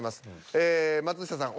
ええ松下さん